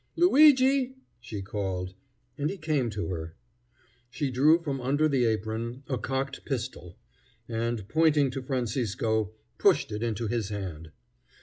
"Luigi!" she called, and he came to her. She drew from under the apron a cocked pistol, and, pointing to Francisco, pushed it into his hand.